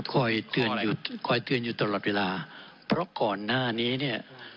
คอยเตือนอยู่คอยเตือนอยู่ตลอดเวลาเพราะก่อนหน้านี้เนี่ย